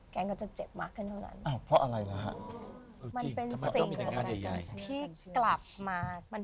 แกนก็จะเจ็บมากขึ้นเท่านั้น